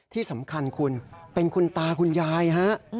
ที่สำคัญคุณเป็นคุณตาคุณยายฮะ